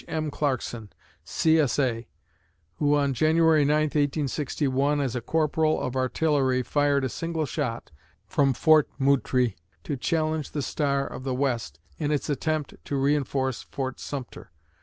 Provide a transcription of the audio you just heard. M. Clarkson, C. S. A., who, on January 9, 1861, as a corporal of artillery, fired a single shot from Fort Moultrie to challenge the Star of the West in its attempt to reinforce Fort Sumter.